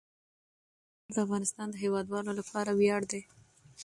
انار د افغانستان د هیوادوالو لپاره ویاړ دی.